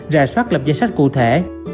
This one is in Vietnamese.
rà soát lập danh sách cụ thể